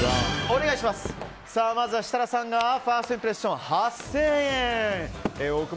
まずは設楽さんがファーストインプレッション８０００円。